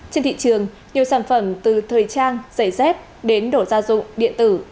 trên thị trường nhiều sản phẩm từ thời trang giày dép đến đồ gia dụng điện tử